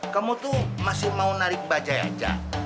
kamu tuh masih mau narik bajai aja